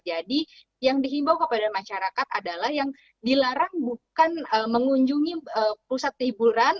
jadi yang dihimbau kepada masyarakat adalah yang dilarang bukan mengunjungi pusat tiburan